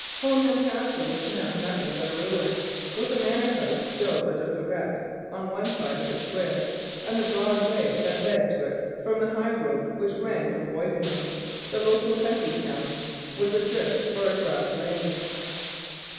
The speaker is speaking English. Honham Castle was now nothing but a ruin, with a manor house built out of the wreck on one side of its square, and the broad way that led to it from the high road which ran from Boisingham,[*] the local country town, was a drift or grass lane.